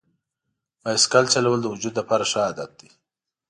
بایسکل چلول د وجود لپاره ښه عادت دی.